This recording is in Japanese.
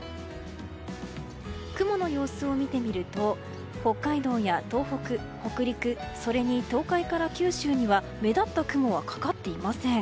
雲の様子を見てみると北海道や東北、北陸それに東海から九州には目立った雲はかかっていません。